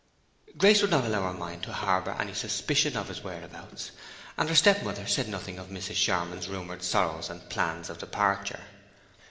Grace would not allow her mind to harbor any suspicion of his whereabouts, and her step mother said nothing of Mrs. Charmond's rumored sorrows and plans of departure.